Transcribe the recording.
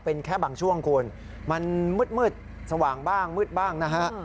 เป็นแค่บางช่วงคุณมันมืดสว่างบ้างมืดบ้างนะฮะ